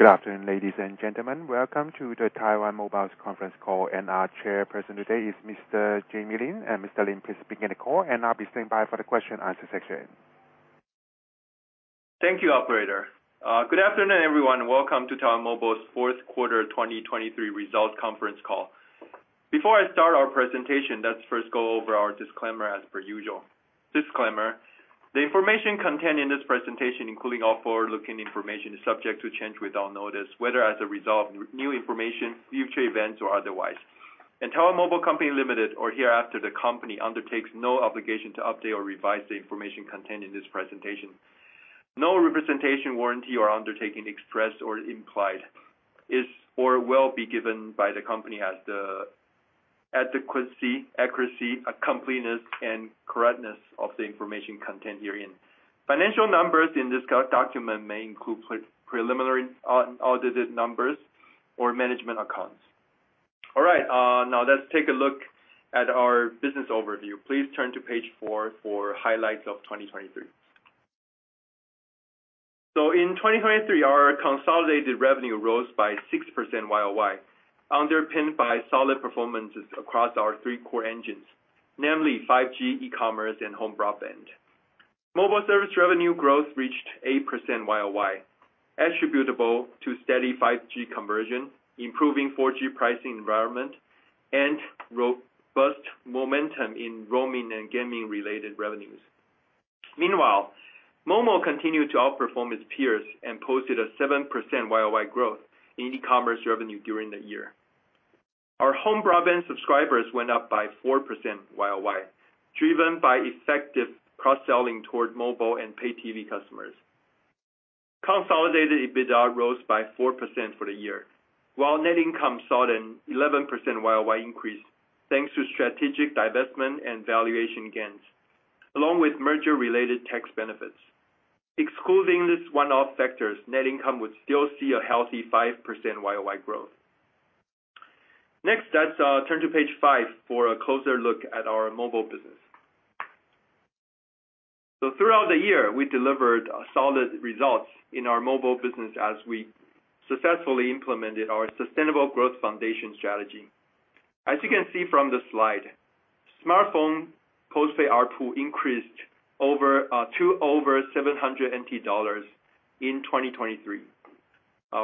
Good afternoon, ladies and gentlemen. Welcome to the Taiwan Mobile's conference call, and our chairperson today is Mr. Jamie Lin. Mr. Lin, please begin the call, and I'll be standing by for the question-and-answer section. Thank you, operator. Good afternoon, everyone, and welcome to Taiwan Mobile's fourth quarter 2023 results conference call. Before I start our presentation, let's first go over our disclaimer as per usual. Disclaimer: The information contained in this presentation, including all forward-looking information, is subject to change without notice, whether as a result of new information, future events, or otherwise. Taiwan Mobile Company Limited, or hereafter the company, undertakes no obligation to update or revise the information contained in this presentation. No representation, warranty, or undertaking expressed or implied is or will be given by the company as to adequacy, accuracy, completeness, and correctness of the information contained herein. Financial numbers in this document may include preliminary audited numbers or management accounts. All right, now let's take a look at our business overview. Please turn to page 4 for highlights of 2023. So in 2023, our consolidated revenue rose by 6% YOY, underpinned by solid performances across our three core engines, namely 5G, e-commerce, and home broadband. Mobile service revenue growth reached 8% YOY, attributable to steady 5G conversion, improving 4G pricing environment, and robust momentum in roaming and gaming-related revenues. Meanwhile, momo continued to outperform its peers and posted a 7% YOY growth in e-commerce revenue during the year. Our home broadband subscribers went up by 4% YOY, driven by effective cross-selling toward mobile and pay-TV customers. Consolidated EBITDA rose by 4% for the year, while net income saw an 11% YOY increase thanks to strategic divestment and valuation gains, along with merger-related tax benefits. Excluding these one-off factors, net income would still see a healthy 5% YOY growth. Next, let's turn to page 5 for a closer look at our mobile business. So throughout the year, we delivered solid results in our mobile business as we successfully implemented our Sustainable Growth Foundation strategy. As you can see from the slide, smartphone postpaid ARPU increased to over 700 NT dollars in 2023.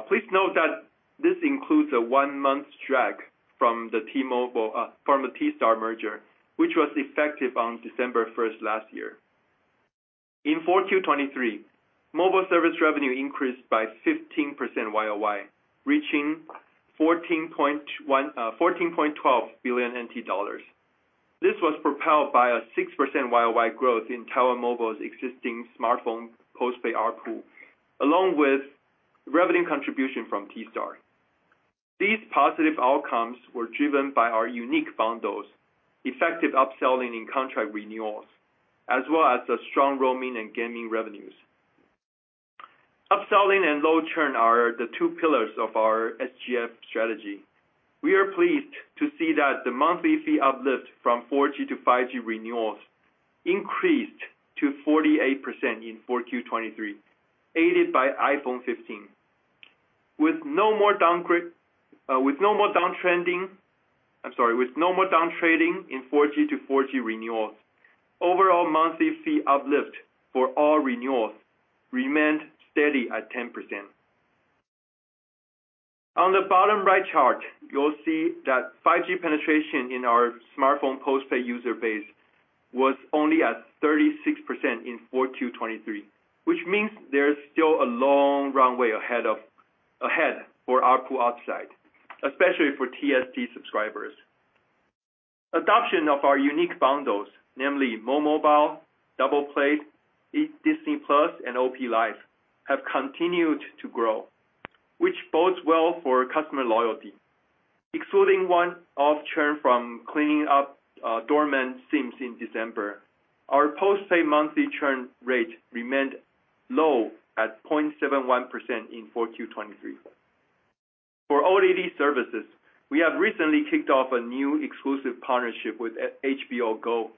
Please note that this includes a one-month drag from the Taiwan Mobile from the T-Star merger, which was effective on December 1st last year. In 4Q23, mobile service revenue increased by 15% YOY, reaching 14.12 billion NT dollars. This was propelled by a 6% YOY growth in Taiwan Mobile's existing smartphone postpaid ARPU, along with revenue contribution from T-Star. These positive outcomes were driven by our unique bundles, effective upselling in contract renewals, as well as strong roaming and gaming revenues. Upselling and low churn are the two pillars of our SGF strategy. We are pleased to see that the monthly fee uplift from 4G to 5G renewals increased to 48% in 4Q23, aided by iPhone 15. With no more downtrending I'm sorry, with no more downtrading in 4G to 4G renewals, overall monthly fee uplift for all renewals remained steady at 10%. On the bottom right chart, you'll see that 5G penetration in our smartphone postpaid user base was only at 36% in 4Q23, which means there's still a long runway ahead for ARPU upside, especially for TST subscribers. Adoption of our unique bundles, namely momo Mobile, Double Play, Disney+, and OP Life, have continued to grow, which bodes well for customer loyalty. Excluding one-off churn from cleaning up dormant SIMs in December, our postpaid monthly churn rate remained low at 0.71% in 4Q23. For OTT services, we have recently kicked off a new exclusive partnership with HBO Go,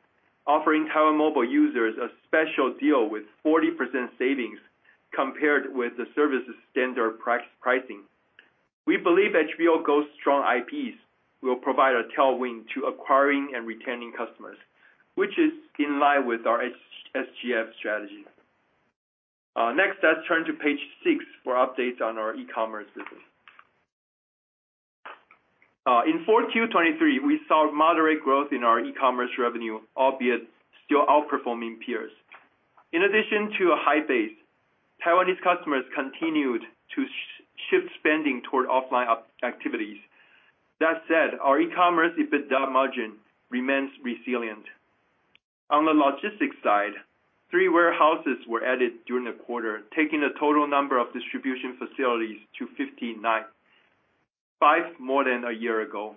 offering Taiwan Mobile users a special deal with 40% savings compared with the service's standard pricing. We believe HBO Go's strong IPs will provide a tailwind to acquiring and retaining customers, which is in line with our SGF strategy. Next, let's turn to page 6 for updates on our e-commerce business. In 4Q23, we saw moderate growth in our e-commerce revenue, albeit still outperforming peers. In addition to a high base, Taiwanese customers continued to shift spending toward offline activities. That said, our e-commerce EBITDA margin remains resilient. On the logistics side, three warehouses were added during the quarter, taking the total number of distribution facilities to 59, five more than a year ago.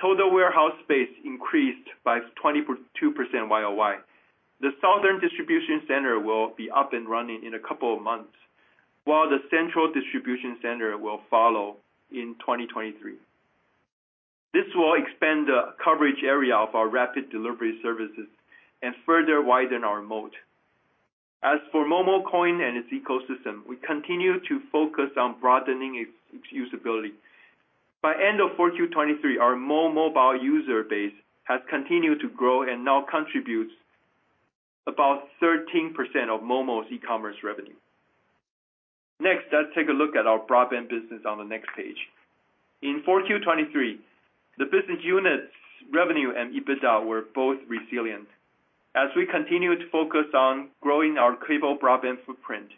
Total warehouse space increased by 22% YOY. The southern distribution center will be up and running in a couple of months, while the central distribution center will follow in 2023. This will expand the coverage area of our rapid delivery services and further widen our moat. As for momo Coin and its ecosystem, we continue to focus on broadening its usability. By end of 4Q23, our momo Mobile user base has continued to grow and now contributes about 13% of momo's e-commerce revenue. Next, let's take a look at our broadband business on the next page. In 4Q23, the business unit's revenue and EBITDA were both resilient as we continued to focus on growing our cable broadband footprint.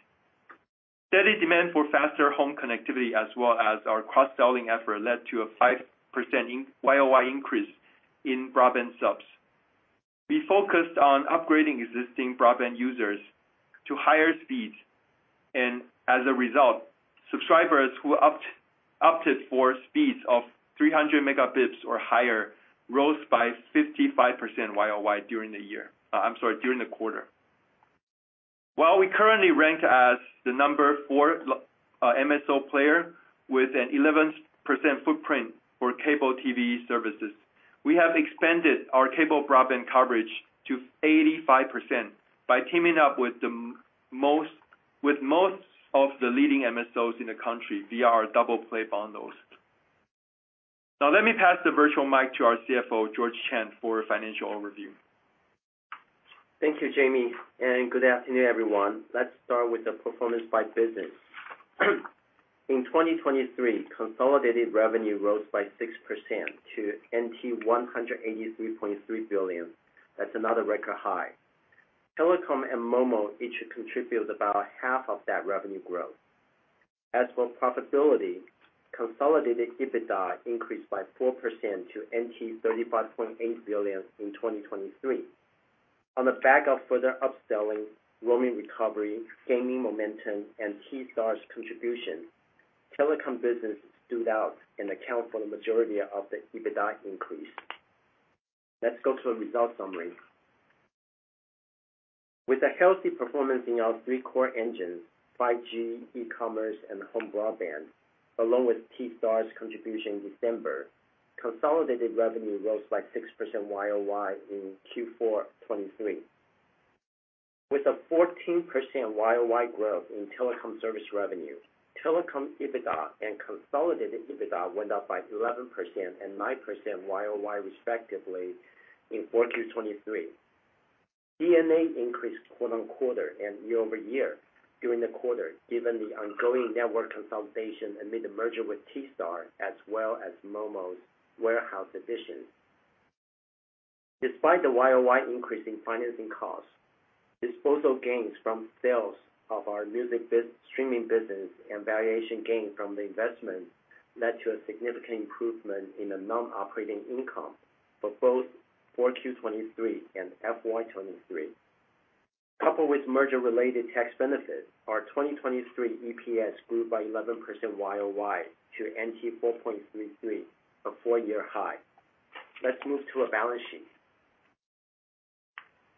Steady demand for faster home connectivity, as well as our cross-selling effort, led to a 5% YOY increase in broadband subs. We focused on upgrading existing broadband users to higher speeds, and as a result, subscribers who opted for speeds of 300 Mbps or higher rose by 55% YOY during the year I'm sorry, during the quarter. While we currently rank as the number 4 MSO player with an 11% footprint for cable TV services, we have expanded our cable broadband coverage to 85% by teaming up with most of the leading MSOs in the country via our Double Play bundles. Now, let me pass the virtual mic to our CFO, George Chang, for a financial overview. Thank you, Jamie, and good afternoon, everyone. Let's start with the performance by business. In 2023, consolidated revenue rose by 6% to 183.3 billion. That's another record high. Telecom and momo each contributed about half of that revenue growth. As for profitability, consolidated EBITDA increased by 4% to 35.8 billion in 2023. On the back of further upselling, roaming recovery, gaming momentum, and T-Star's contribution, telecom business stood out and accounted for the majority of the EBITDA increase. Let's go to a results summary. With a healthy performance in our three core engines, 5G e-commerce, and home broadband, along with T-Star's contribution in December, consolidated revenue rose by 6% YOY in Q4 2023. With a 14% YOY growth in telecom service revenue, telecom EBITDA and consolidated EBITDA went up by 11% and 9% YOY, respectively, in 4Q 2023. D&A increased quarter-over-quarter and year-over-year during the quarter, given the ongoing network consolidation amid the merger with T-Star, as well as momo's warehouse additions. Despite the YOY increase in financing costs, disposal gains from sales of our music streaming business and valuation gains from the investment led to a significant improvement in the non-operating income for both 4Q 2023 and FY 2023. Coupled with merger-related tax benefits, our 2023 EPS grew by 11% YOY to 4.33, a four-year high. Let's move to a balance sheet.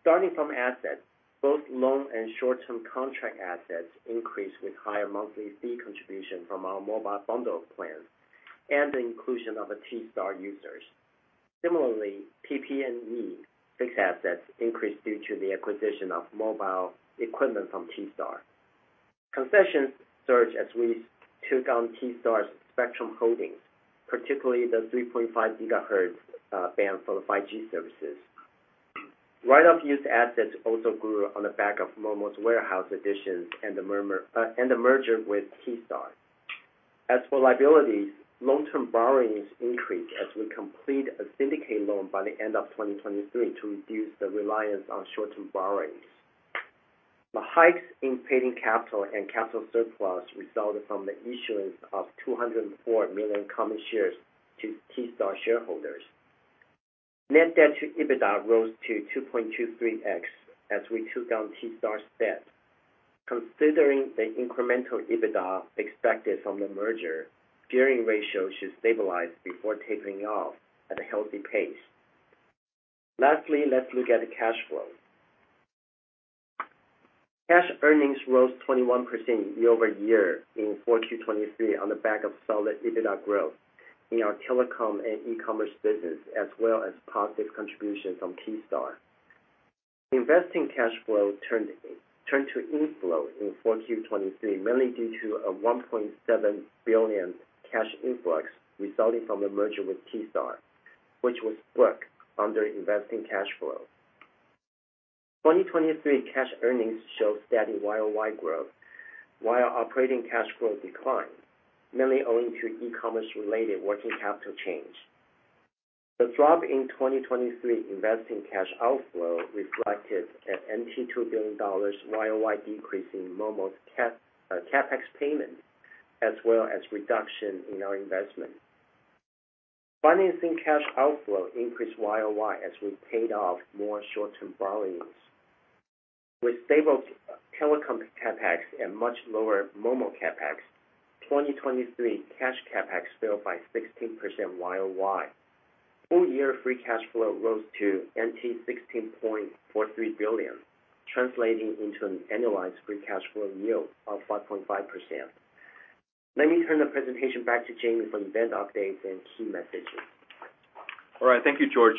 Starting from assets, both loan and short-term contract assets increased with higher monthly fee contribution from our mobile bundle plans and the inclusion of T-Star users. Similarly, PP&E, fixed assets, increased due to the acquisition of mobile equipment from T-Star. Concessions surged as we took on T-Star's spectrum holdings, particularly the 3.5 GHz band for the 5G services. Right-of-use assets also grew on the back of momo's warehouse additions and the merger with T-Star. As for liabilities, long-term borrowings increased as we completed a syndicated loan by the end of 2023 to reduce the reliance on short-term borrowings. The hikes in paid-in capital and capital surplus resulted from the issuance of 204 million common shares to T-Star shareholders. Net debt to EBITDA rose to 2.23x as we took on T-Star's debt. Considering the incremental EBITDA expected from the merger, gearing ratio should stabilize before tapering off at a healthy pace. Lastly, let's look at the cash flow. Cash earnings rose 21% year-over-year in 4Q23 on the back of solid EBITDA growth in our telecom and e-commerce business, as well as positive contributions from T-Star. Investing cash flow turned to inflow in 4Q23, mainly due to a 1.7 billion cash influx resulting from the merger with T-Star, which was booked under investing cash flow. 2023 cash earnings showed steady YOY growth while operating cash flow declined, mainly owing to e-commerce-related working capital change. The drop in 2023 investing cash outflow reflected a 2 billion dollars YOY decrease in momo's CapEx payments, as well as reduction in our investments. Financing cash outflow increased YOY as we paid off more short-term borrowings. With stable telecom CapEx and much lower momo CapEx, 2023 cash CapEx fell by 16% YOY. Full-year free cash flow rose to 16.43 billion, translating into an annualized free cash flow yield of 5.5%. Let me turn the presentation back to Jamie for event updates and key messages. All right. Thank you, George.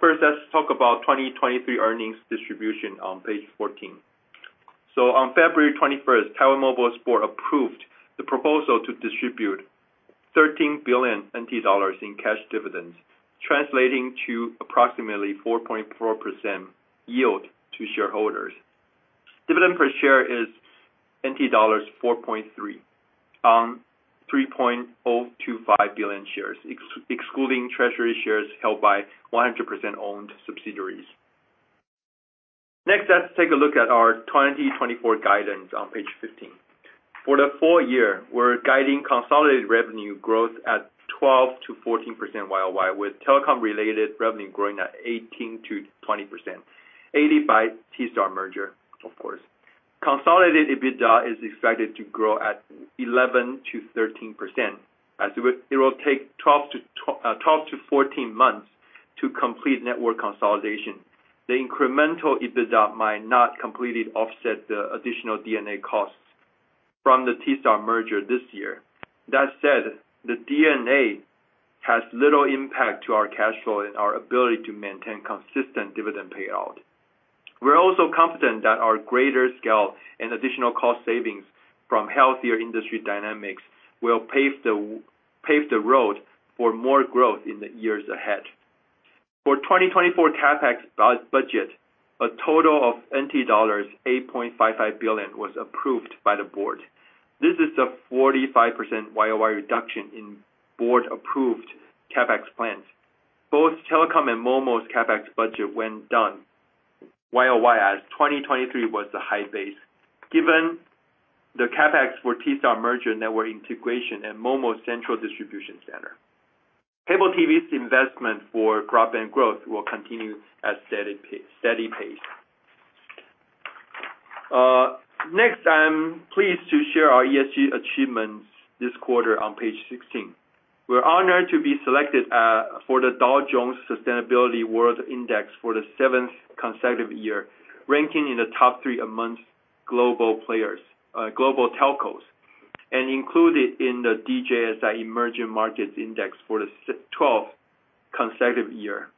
First, let's talk about 2023 earnings distribution on page 14. So on February 21st, Taiwan Mobile board approved the proposal to distribute 13 billion NT dollars in cash dividends, translating to approximately 4.4% yield to shareholders. Dividend per share is NT dollars 4.3 on 3.025 billion shares, excluding treasury shares held by 100%-owned subsidiaries. Next, let's take a look at our 2024 guidance on page 15. For the full year, we're guiding consolidated revenue growth at 12%-14% YOY, with telecom-related revenue growing at 18%-20%, aided by T-Star merger, of course. Consolidated EBITDA is expected to grow at 11%-13%, as it will take 12-14 months to complete network consolidation. The incremental EBITDA might not completely offset the additional D&A costs from the T-Star merger this year. That said, the D&A has little impact on our cash flow and our ability to maintain consistent dividend payouts. We're also confident that our greater scale and additional cost savings from healthier industry dynamics will pave the road for more growth in the years ahead. For 2024 CapEx budget, a total of NT dollars 8.55 billion was approved by the board. This is a 45% YOY reduction in board-approved CapEx plans. Both telecom and momo's CapEx budget went down YOY, as 2023 was the high base, given the CapEx for T-Star merger network integration and momo's central distribution center. Cable TV's investment for broadband growth will continue at steady pace. Next, I'm pleased to share our ESG achievements this quarter on page 16. We're honored to be selected for the Dow Jones Sustainability World Index for the seventh consecutive year, ranking in the top three global telcos, and included in the DJSI Emerging Markets Index for the twelfth consecutive year.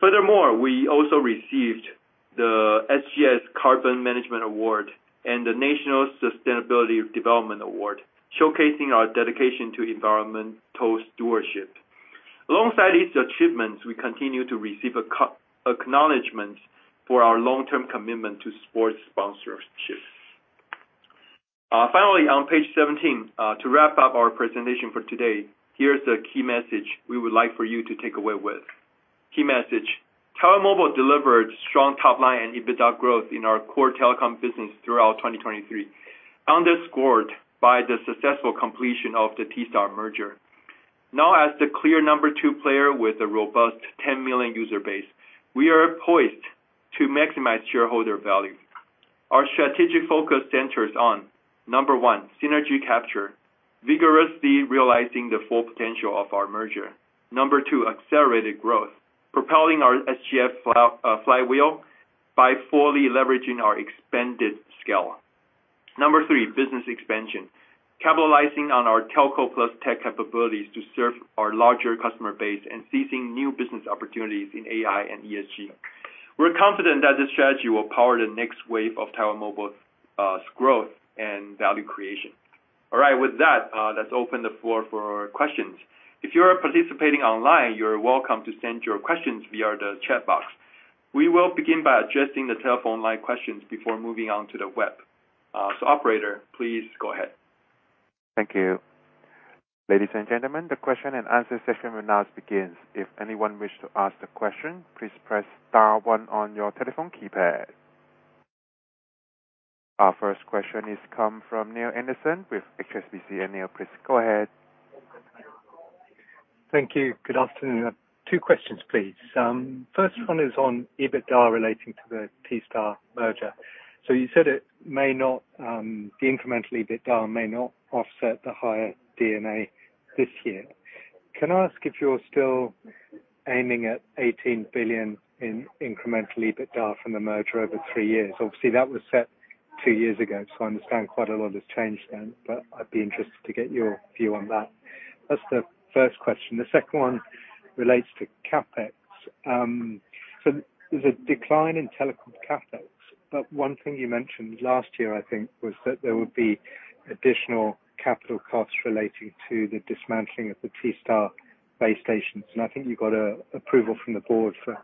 Furthermore, we also received the SGS Carbon Management Award and the National Sustainability Development Award, showcasing our dedication to environmental stewardship. Alongside these achievements, we continue to receive acknowledgments for our long-term commitment to sports sponsorships. Finally, on page 17, to wrap up our presentation for today, here's the key message we would like for you to take away with. Key message: Taiwan Mobile delivered strong top-line and EBITDA growth in our core telecom business throughout 2023, underscored by the successful completion of the T-Star merger. Now, as the clear number two player with a robust 10 million user base, we are poised to maximize shareholder value. Our strategic focus centers on: number one, synergy capture, vigorously realizing the full potential of our merger. Number two, accelerated growth, propelling our SGF flywheel by fully leveraging our expanded scale. Number three, business expansion, capitalizing on our telco-plus-tech capabilities to serve our larger customer base and seizing new business opportunities in AI and ESG. We're confident that this strategy will power the next wave of Taiwan Mobile's growth and value creation. All right. With that, let's open the floor for questions. If you're participating online, you're welcome to send your questions via the chat box. We will begin by addressing the telephone-line questions before moving on to the web. So, operator, please go ahead. Thank you. Ladies and gentlemen, the question and answer session will now begin. If anyone wishes to ask a question, please press star one on your telephone keypad. Our first question has come from Neale Anderson with HSBC and Neil, please. Go ahead. Thank you. Good afternoon. Two questions, please. First one is on EBITDA relating to the T-Star merger. So you said the incremental EBITDA may not offset the higher D&A this year. Can I ask if you're still aiming at 18 billion in incremental EBITDA from the merger over three years? Obviously, that was set two years ago, so I understand quite a lot has changed then, but I'd be interested to get your view on that. That's the first question. The second one relates to CapEx. So there's a decline in telecom CapEx, but one thing you mentioned last year, I think, was that there would be additional capital costs relating to the dismantling of the T-Star base stations. And I think you got approval from the board for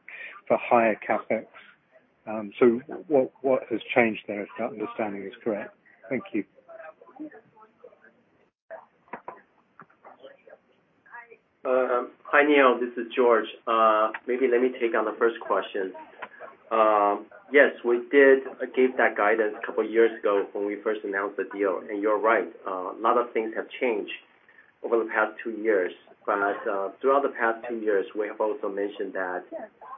higher CapEx. So what has changed there, if that understanding is correct? Thank you. Hi Neale. This is George. Maybe let me take on the first question. Yes, we did give that guidance a couple of years ago when we first announced the deal. You're right. A lot of things have changed over the past two years. Throughout the past two years, we have also mentioned that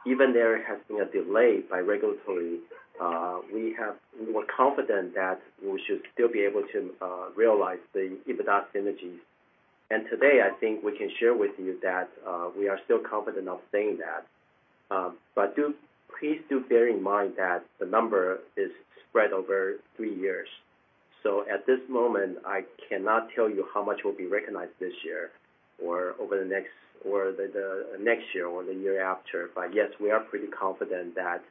even there has been a delay by regulatory, we were confident that we should still be able to realize the EBITDA synergies. Today, I think we can share with you that we are still confident of saying that. Please do bear in mind that the number is spread over three years. At this moment, I cannot tell you how much will be recognized this year or over the next year or the year after. But yes, we are pretty confident that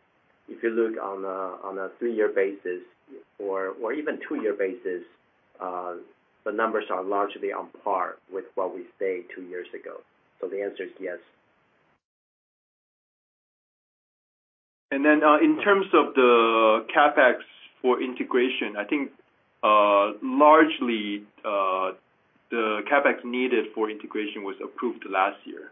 if you look on a 3-year basis or even 2-year basis, the numbers are largely on par with what we stated 2 years ago. So the answer is yes. Then in terms of the CapEx for integration, I think largely the CapEx needed for integration was approved last year.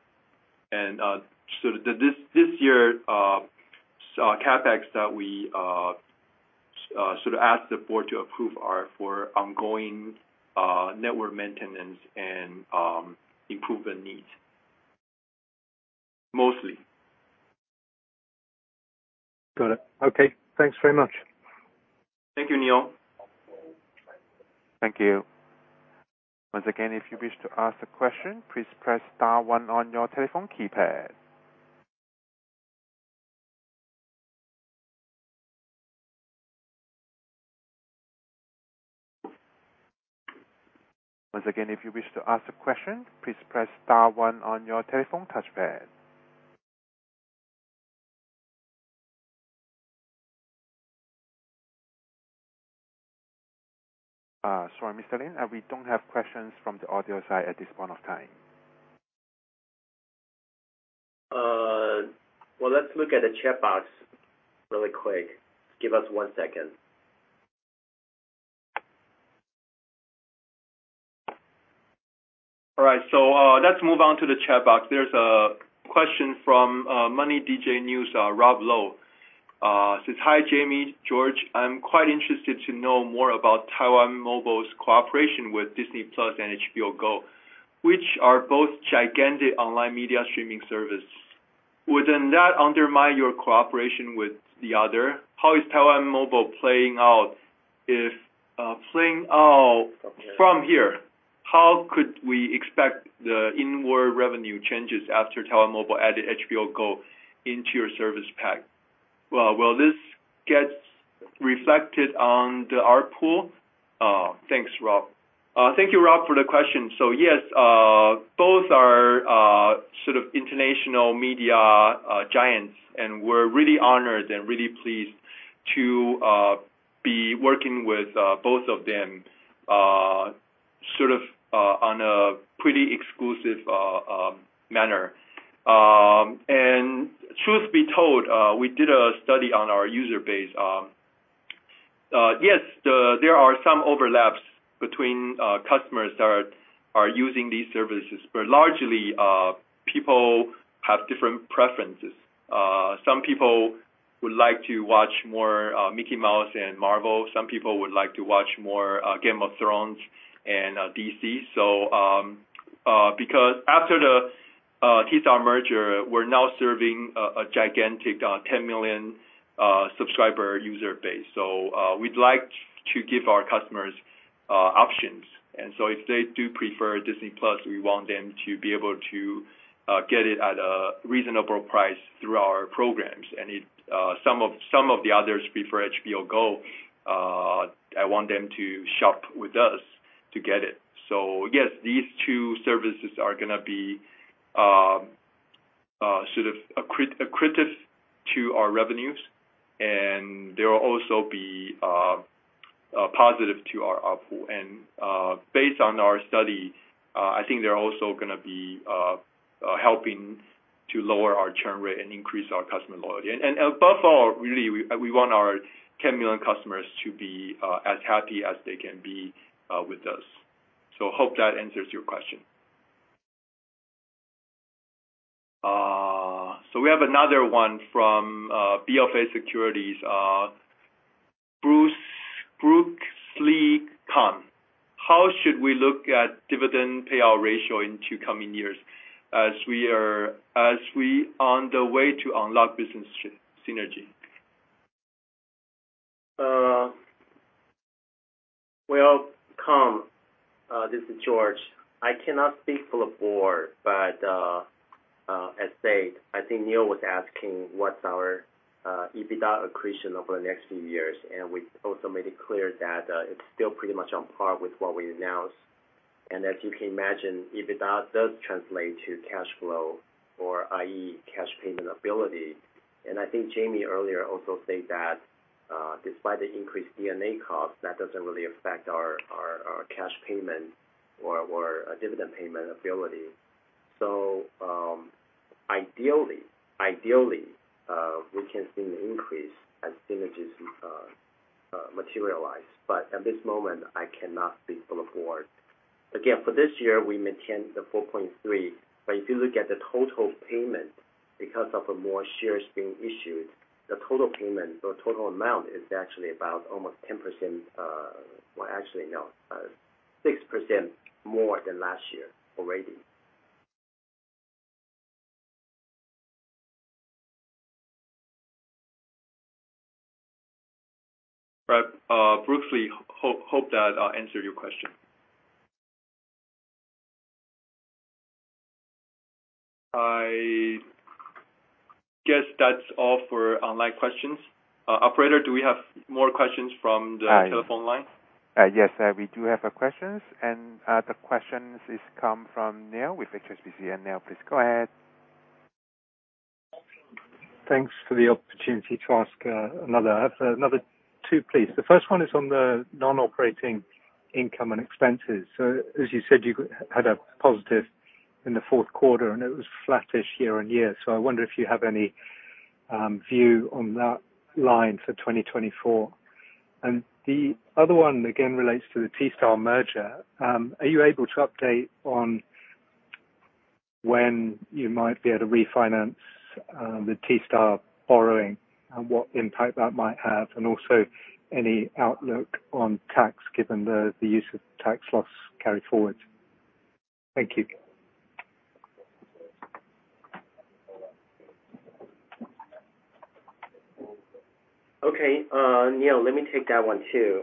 So this year, CapEx that we sort of asked the board to approve are for ongoing network maintenance and improvement needs, mostly. Got it. Okay. Thanks very much. Thank you, Neil. Thank you. Once again, if you wish to ask a question, please press star one on your telephone keypad. Once again, if you wish to ask a question, please press star one on your telephone touchpad. Sorry, Mr. Lin. We don't have questions from the audio side at this point of time. Well, let's look at the chat box really quick. Give us one second. All right. So let's move on to the chat box. There's a question from MoneyDJ, Rob Lo. It says, "Hi Jamie. George, I'm quite interested to know more about Taiwan Mobile's cooperation with Disney+ and HBO Go, which are both gigantic online media streaming services. Wouldn't that undermine your cooperation with the other? How is Taiwan Mobile playing out if playing out from here, how could we expect the inward revenue changes after Taiwan Mobile added HBO Go into your service pack? Will this get reflected on our ARPU?" Thanks, Rob. Thank you, Rob, for the question. So yes, both are sort of international media giants, and we're really honored and really pleased to be working with both of them sort of on a pretty exclusive manner. And truth be told, we did a study on our user base. Yes, there are some overlaps between customers that are using these services, but largely, people have different preferences. Some people would like to watch more Mickey Mouse and Marvel. Some people would like to watch more Game of Thrones and DC. So because after the T-Star merger, we're now serving a gigantic 10 million subscriber user base. So we'd like to give our customers options. And so if they do prefer Disney+, we want them to be able to get it at a reasonable price through our programs. And some of the others prefer HBO Go. I want them to shop with us to get it. So yes, these two services are going to be sort of accretive to our revenues, and they'll also be positive to our pool. Based on our study, I think they're also going to be helping to lower our churn rate and increase our customer loyalty. Above all, really, we want our 10 million customers to be as happy as they can be with us. So hope that answers your question. We have another one from Yuanta Securities, Bruce Lu. "How should we look at dividend payout ratio in two coming years as we are on the way to unlock business synergy? Well, Bruce, this is George. I cannot speak for the board, but as said, I think Neil was asking what's our EBITDA accretion over the next few years. We also made it clear that it's still pretty much on par with what we announced. And as you can imagine, EBITDA does translate to cash flow, i.e., cash payment ability. And I think Jamie earlier also said that despite the increased D&A cost, that doesn't really affect our cash payment or dividend payment ability. So ideally, we can see an increase as synergies materialize. But at this moment, I cannot speak for the board. Again, for this year, we maintained the 4.3. But if you look at the total payment because of more shares being issued, the total payment or total amount is actually about almost 10% well, actually, no, 6% more than last year already. All right. Bruce Lu, hope that answered your question. I guess that's all for online questions. Operator, do we have more questions from the telephone line? Yes, we do have questions. The questions have come from Neil with HSBC. Neil, please go ahead. Thanks for the opportunity to ask another. I have another two, please. The first one is on the non-operating income and expenses. As you said, you had a positive in the fourth quarter, and it was flattish year-over-year. I wonder if you have any view on that line for 2024. And the other one, again, relates to the T-Star merger. Are you able to update on when you might be able to refinance the T-Star borrowing and what impact that might have, and also any outlook on tax given the use of tax loss carried forward? Thank you. Okay. Neale, let me take that one too.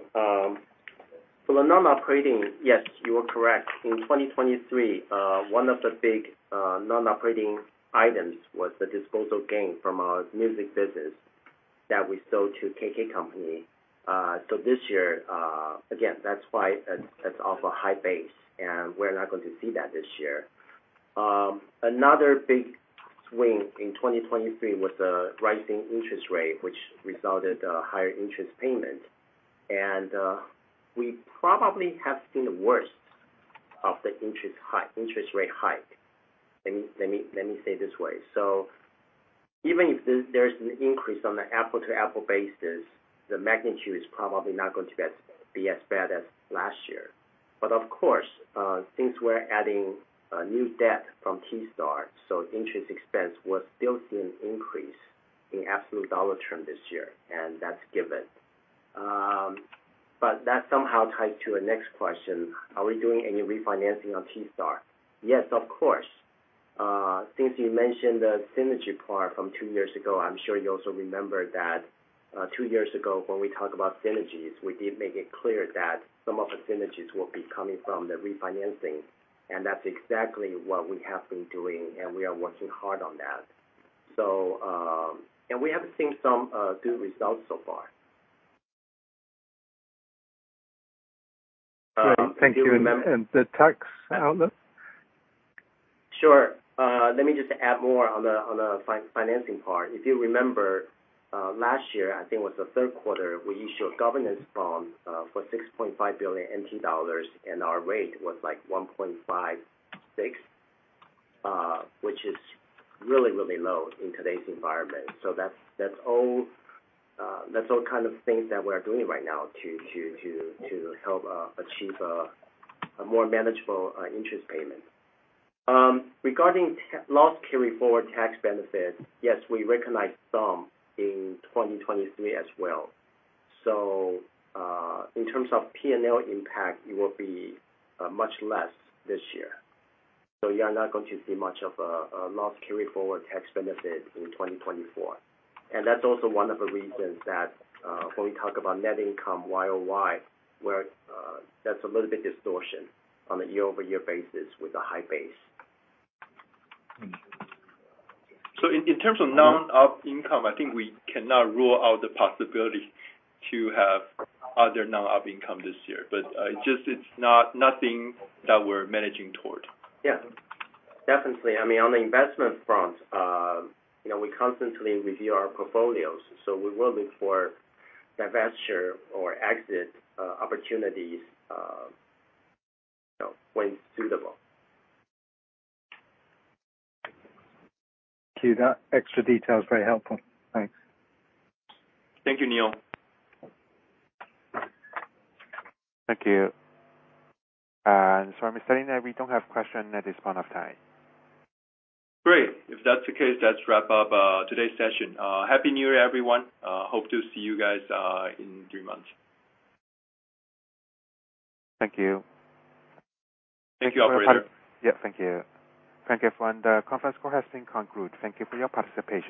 For the non-operating, yes, you were correct. In 2023, one of the big non-operating items was the disposal gain from our music business that we sold to KKCompany. So this year, again, that's why it's off a high base, and we're not going to see that this year. Another big swing in 2023 was the rising interest rate, which resulted in higher interest payments. And we probably have seen the worst of the interest rate hike. Let me say this way. So even if there's an increase on the apple-to-apple basis, the magnitude is probably not going to be as bad as last year. But of course, since we're adding new debt from T-Star, so interest expense was still seeing an increase in absolute dollar term this year, and that's given. But that somehow ties to our next question. Are we doing any refinancing on T-Star? Yes, of course. Since you mentioned the synergy part from two years ago, I'm sure you also remember that two years ago, when we talked about synergies, we did make it clear that some of the synergies will be coming from the refinancing. That's exactly what we have been doing, and we are working hard on that. We have seen some good results so far. Great. Thank you. And the tax outlook? Sure. Let me just add more on the financing part. If you remember, last year, I think it was the third quarter, we issued a corporate bond for 6.5 billion NT dollars, and our rate was like 1.56%, which is really, really low in today's environment. So that's all kind of things that we're doing right now to help achieve a more manageable interest payment. Regarding loss carried forward tax benefits, yes, we recognize some in 2023 as well. So in terms of P&L impact, it will be much less this year. So you are not going to see much of a loss carried forward tax benefit in 2024. And that's also one of the reasons that when we talk about net income YOY, that's a little bit distortion on a year-over-year basis with a high base. In terms of non-op income, I think we cannot rule out the possibility to have other non-op income this year. It's nothing that we're managing toward. Yeah, definitely. I mean, on the investment front, we constantly review our portfolios. So we will look for divestiture or exit opportunities when suitable. Thank you. That extra detail is very helpful. Thanks. Thank you, Neil. Thank you. Sorry, Mr. Lin, we don't have a question at this point of time. Great. If that's the case, let's wrap up today's session. Happy New Year, everyone. Hope to see you guys in three months. Thank you. Thank you, Operator. Yeah, thank you. Thank you. The conference call has been concluded. Thank you for your participation.